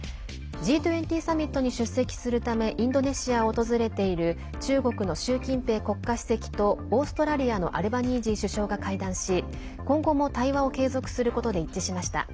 Ｇ２０サミットに出席するためインドネシアを訪れている中国の習近平国家主席とオーストラリアのアルバニージー首相が会談し今後も対話を継続することで一致しました。